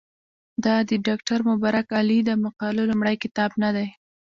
دا د ډاکټر مبارک علي د مقالو لومړی کتاب نه دی.